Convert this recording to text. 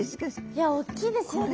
いやおっきいですよね。